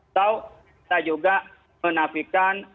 atau kita juga menafikan